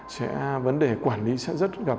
sẽ vấn đề quản lý sẽ rất gặp